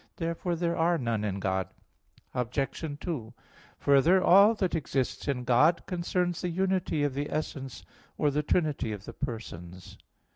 Therefore there are none in God. Obj. 2: Further, all that exists in God concerns the unity of the essence or the trinity of the persons.